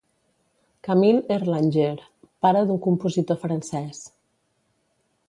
Camille Erlanger, pare d'un compositor francès.